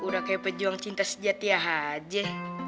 udah kayak pejuang cinta sejati ya haji